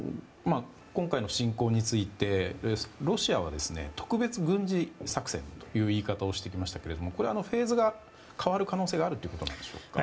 今回の侵攻についてロシアは特別軍事作戦という言い方をしてきましたけどこれはフェーズが変わる可能性があるということでしょうか？